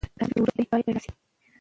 تاریخ چې ورک دی، باید پیدا سي.